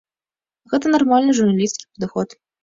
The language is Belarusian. Гэта нармальны журналісцкі падыход.